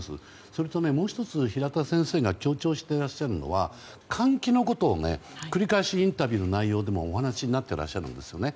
それと、もう１つ平田先生が強調していらっしゃるのは換気のことを繰り返しインタビューでもお話になってらっしゃるんですよね。